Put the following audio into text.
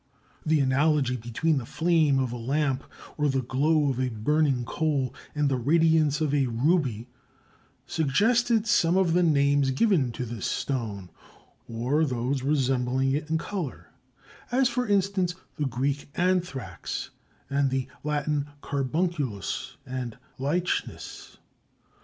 The analogy between the flame of a lamp or the glow of a burning coal and the radiance of a ruby, suggested some of the names given to this stone, or those resembling it in color, as, for instance, the Greek anthrax and the Latin carbunculus and lychnis.